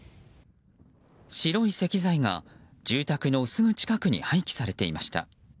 白い石材が住宅のすぐ近くに廃棄されていました。